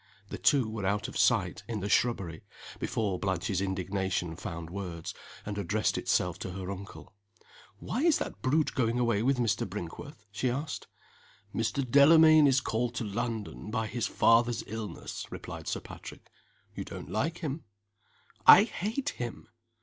The two were out of sight, in the shrubbery, before Blanche's indignation found words, and addressed itself to her uncle. "Why is that brute going away with Mr. Brinkworth?" she asked. "Mr. Delamayn is called to London by his father's illness," replied Sir Patrick. "You don't like him?" "I hate him!"